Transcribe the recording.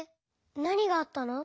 なにがあったの？